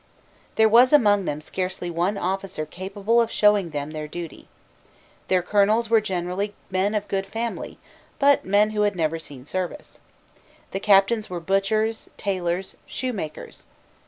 There was among them scarcely one officer capable of showing them their duty. Their colonels were generally men of good family, but men who had never seen service. The captains were butchers, tailors, shoemakers.